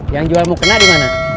yang jual mukena dimana